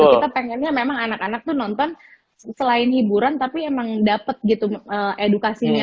kita pengennya memang anak anak tuh nonton selain hiburan tapi emang dapet gitu edukasinya